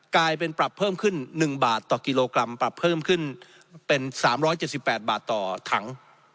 กลายเป็นปรับเพิ่มขึ้น๑บาทต่อกิโลกรัมปรับเพิ่มขึ้นเป็น๓๗๘บาทต่อถัง